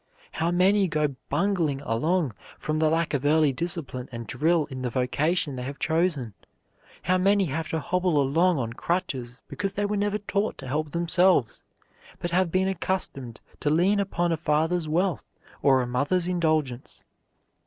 How many go bungling along from the lack of early discipline and drill in the vocation they have chosen? How many have to hobble along on crutches because they were never taught to help themselves, but have been accustomed to lean upon a father's wealth or a mother's indulgence?